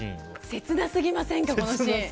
切なすぎませんか、このシーン。